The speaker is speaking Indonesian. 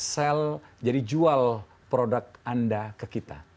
sel jadi jual produk anda ke kita